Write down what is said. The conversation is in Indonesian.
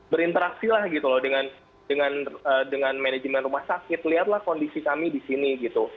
berinteraksi lah gitu loh dengan manajemen rumah sakit lihatlah kondisi kami di sini gitu